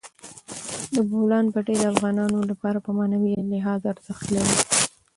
د بولان پټي د افغانانو لپاره په معنوي لحاظ ارزښت لري.